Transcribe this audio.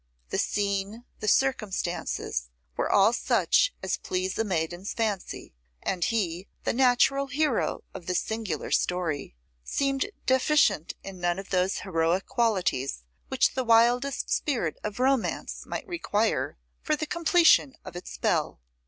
The scene, the circumstances, were all such as please a maiden's fancy; and he, the natural hero of this singular history, seemed deficient in none of those heroic qualities which the wildest spirit of romance might require for the completion of its spell.